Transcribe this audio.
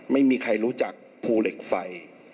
ไม่มีใครรู้จักภูเหล็กไฟ